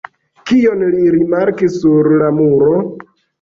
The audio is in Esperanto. Kion li rimarkis sur la muro?